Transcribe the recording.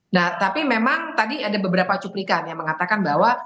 nah tapi memang tadi ada beberapa cuplikan yang mengatakan bahwa